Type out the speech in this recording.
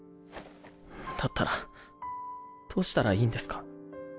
だったらどうしたらいいんですか？